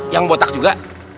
yang botak juga